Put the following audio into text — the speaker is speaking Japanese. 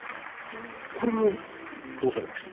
これはどうされました？